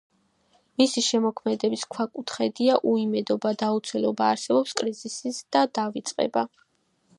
მისი შემოქმედების ქვაკუთხედია უიმედობა, დაუცველობა, არსებობის კრიზისი და დავიწყება.